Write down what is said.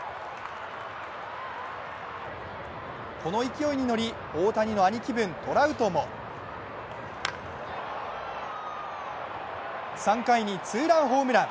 この勢いにのり、大谷の兄貴分トラウトも３回にツーランホームラン。